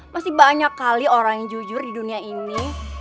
masih banyak kali orang yang jujur di dunia ini